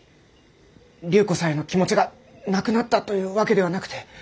隆子さんへの気持ちがなくなったというわけではなくて。